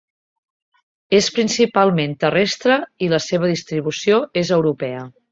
És principalment terrestre i la seva distribució és europea.